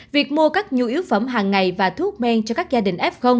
việc mua các nhu yếu phẩm hàng ngày và thuốc men cho các gia đình f